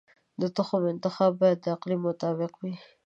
د تخم انتخاب باید د اقلیم مطابق وي.